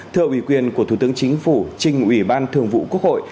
thưa ủy quyền của thủ tướng chính phủ trình ủy ban thường vụ quốc hội